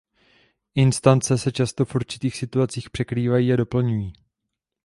Instance se často v určitých situacích překrývají a doplňují.